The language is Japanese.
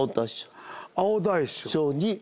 青大将に。